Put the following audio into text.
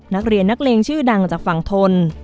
นักเรียนนักเลงชื่อดังจากฝั่งทน